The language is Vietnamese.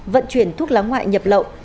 vận chuyển thuốc lá ngoại nhập lậu